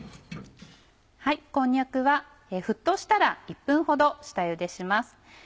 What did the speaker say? こんにゃくは沸騰したら１分ほど下ゆでします。